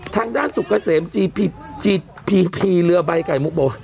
ทางด้านสุกเกษมจีดผีเหลือใบไก่มุกบ่